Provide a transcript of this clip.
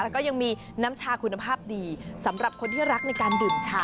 แล้วก็ยังมีน้ำชาคุณภาพดีสำหรับคนที่รักในการดื่มชา